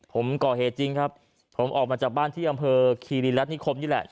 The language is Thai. ผมก่อเหตุจริงครับผมออกมาจากบ้านที่อำเภอคีรีรัฐนิคมนี่แหละ